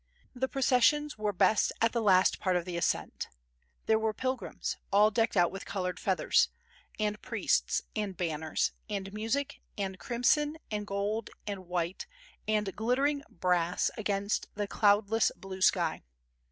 The processions were best at the last part of the ascent; there were pilgrims, all decked out with coloured feathers, and priests and banners and music and crimson and gold and white and glittering brass against the cloudless blue sky.